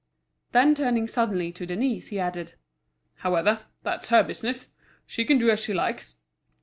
Then turning suddenly to Denise, he added: "However, that's her business. She can do as she likes."